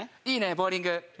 いいねボウリング。